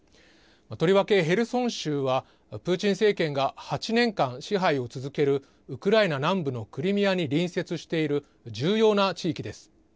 とりわけヘルソン州は、プーチン政権が８年間支配を続ける、ウクライナ南部のクリミアに隣接している重要な地域です。